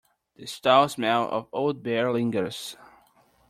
The stale smell of old beer lingers.